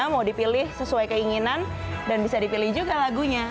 mau dipilih sesuai keinginan dan bisa dipilih juga lagunya